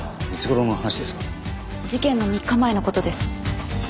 事件の３日前の事です。